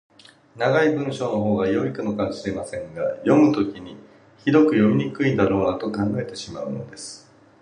長い文章のほうが良いのかもしれませんが、読むときにひどく読みにくいだろうなと考えてしまうのです。